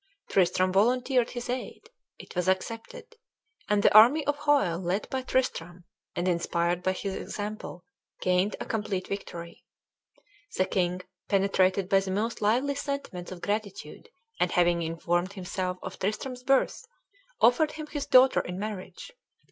Tristram volunteered his aid. It was accepted; and the army of Hoel, led by Tristram, and inspired by his example, gained a complete victory. The king, penetrated by the most lively sentiments of gratitude, and having informed himself of Tristram's birth, offered him his daughter in marriage.